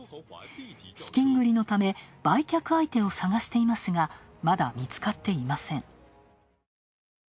資金繰りのため、売却相手を探していますがまだ見つかっていません。